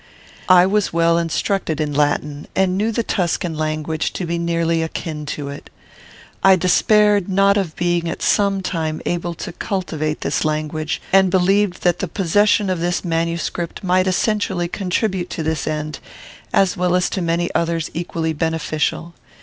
I was well instructed in Latin, and knew the Tuscan language to be nearly akin to it. I despaired not of being at some time able to cultivate this language, and believed that the possession of this manuscript might essentially contribute to this end, as well as to many others equally beneficial.